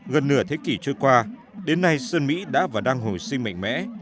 gần nửa thế kỷ trôi qua đến nay sơn mỹ đã và đang hồi sinh mạnh mẽ